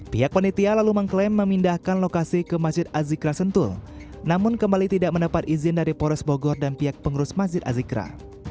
pihak penitia lalu mengklaim memindahkan lokasi ke masjid azikra sentul namun kembali tidak mendapat izin dari pores bogor dan pihak pengurus masjid azikra